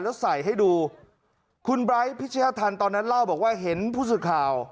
แล้วใส่ให้ดูคุณไบร์ทพิชยธรรมตอนนั้นเล่าบอกว่าเห็นผู้สื่อข่าว